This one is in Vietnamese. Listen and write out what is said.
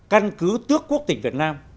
căn cứ tước quốc tịch việt nam